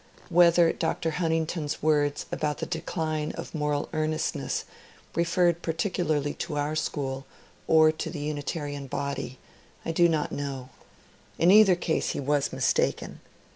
Whether Dr. Huntington's words about the ^^ decline of moral earnestness " referred particularly to our school or to the Unitarian body, I do not know. In either case he was mistaken.